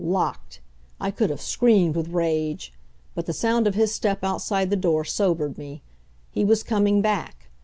Locked! I could have screamed with rage. But the sound of his step outside the door sobered me. He was coming back.